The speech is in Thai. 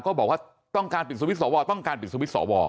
เขาบอกว่าต้องการปิดสวิทธิ์ศว